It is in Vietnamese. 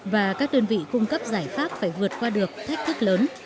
và các đơn vị cung cấp giải pháp phải vượt qua được thách thức lớn